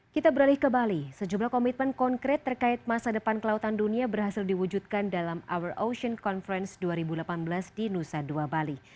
kita beralih ke bali sejumlah komitmen konkret terkait masa depan kelautan dunia berhasil diwujudkan dalam our ocean conference dua ribu delapan belas di nusa dua bali